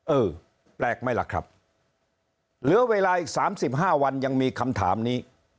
เออแปลกไหมล่ะครับเหลือเวลาอีก๓๕วันยังมีคำถามนี้